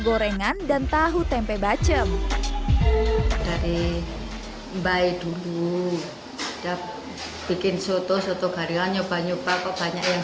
gorengan dan tahu tempe bacem dari mbah dulu bikin soto soto garil nyoba nyoba kok banyak yang